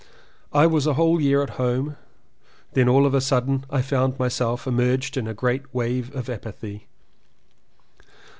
I was a whole year at home, then all of a sudden I found myself im merged in a great wave of apathy.